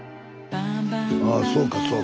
ああそうかそうか。